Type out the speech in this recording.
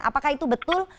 apakah itu betul